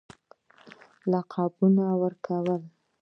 لقبونه ورکړل.